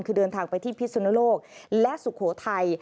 คือเดินทางไปที่พิสุนโลกและสุโขทัย